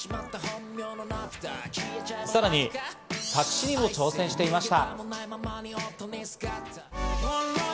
さらに作詞にも挑戦していました。